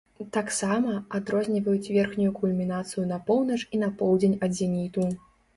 Таксама, адрозніваюць верхнюю кульмінацыю на поўнач і на поўдзень ад зеніту.